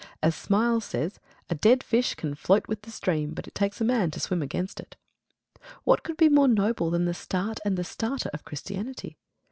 As Smiles says "A dead fish can float with the stream, but it takes a man to swim against it." What could be more noble than the start and the starter of Christianity?